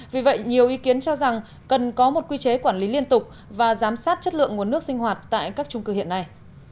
vì vậy nhiều ý kiến cho rằng cần có một quy chế quản lý liên tục và giám sát chất lượng nguồn nước sinh hoạt tại các trung cư hiện nay